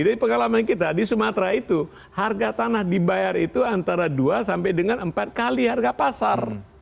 dari pengalaman kita di sumatera itu harga tanah dibayar itu antara dua sampai dengan empat kali harga pasar